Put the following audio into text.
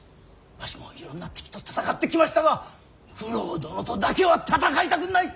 わしもいろんな敵と戦ってきましたが九郎殿とだけは戦いたくない。